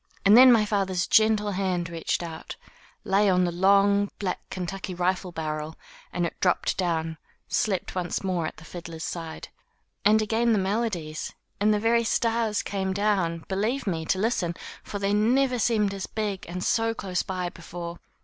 And then my father's gentle hand reached out, lay on that long, black, Kentucky rifle barrel, and it dropped down, slept once more at the fiddler's side. And again the melodies; and the very stars came down, believe me, to Hsten, for they never seemed as big and so close by before.